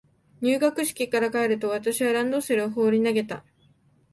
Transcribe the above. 入学式から帰ると、私はランドセルを放り投げた。